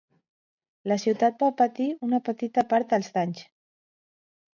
La ciutat va patir una petita part dels danys.